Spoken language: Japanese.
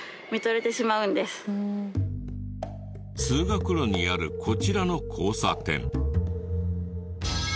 通学路にあるこちらの交差点。